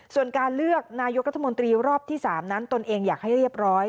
ส่วนการเลือกนายกรัฐมนตรีรอบที่๓นั้นตนเองอยากให้เรียบร้อย